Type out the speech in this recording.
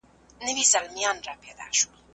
كله، ناكله غلتيږي